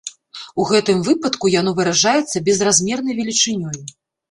У гэтым выпадку яно выражаецца безразмернай велічынёй.